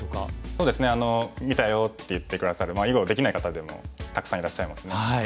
そうですね「見たよ」って言って下さる囲碁できない方でもたくさんいらっしゃいますね。